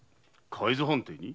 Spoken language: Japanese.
海津藩邸に？